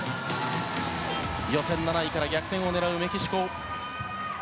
予選７位から逆転を狙うメキシコ。